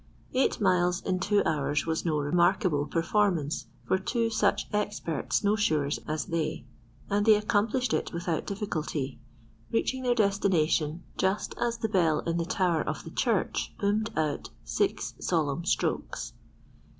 Eight miles in two hours was no remarkable performance for two such expert snow shoers as they, and they accomplished it without difficulty, reaching their destination just as the bell in the tower of the church boomed out six solemn strokes.